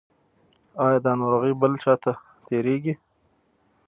ایا دا ناروغي بل چا ته تیریږي؟